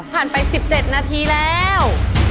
ผ่านไป๑๗นาทีแล้ว